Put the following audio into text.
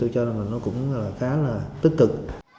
cũng rất là tích cực